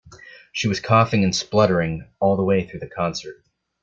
She was coughing and spluttering all the way through the concert.